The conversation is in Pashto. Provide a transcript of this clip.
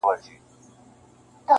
تورې موږ وکړې ګټه تا پورته کړه,